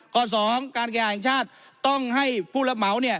สองการแข่งชาติต้องให้ผู้รับเหมาเนี่ย